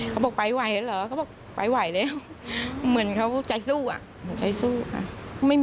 เขาบอกไปไหวแล้วเหรอเขาบอกไปไหวแล้วเหมือนเขาใจสู้อ่ะเหมือนใจสู้ค่ะ